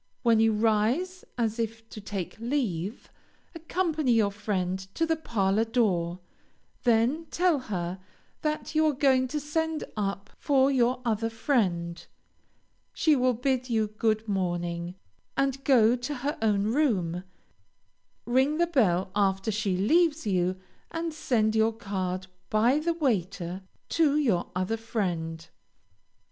When you rise as if to take leave, accompany your friend to the parlor door, then tell her that you are going to send up for your other friend. She will bid you good morning, and go to her own room; ring the bell after she leaves you, and send your card by the waiter to your other friend.